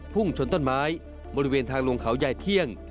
พุ่งชนต้นไม้บริเวณทางลงเขายายเที่ยง